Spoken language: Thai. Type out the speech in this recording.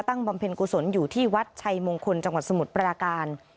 บำเพ็ญกุศลอยู่ที่วัดชัยมงคลจังหวัดสมุทรปราการ